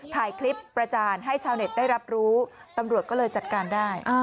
ถ่ายคลิปประจานให้ชาวเน็ตได้รับรู้ตำรวจก็เลยจัดการได้